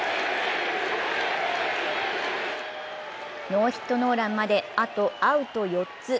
ノーヒットノーランまであとアウト４つ。